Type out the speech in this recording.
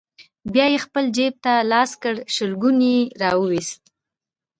بيا يې خپل جيب ته لاس کړ، شلګون يې راوايست: